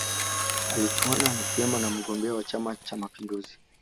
alichuana vyema na mgombea wa chama cha mapinduzi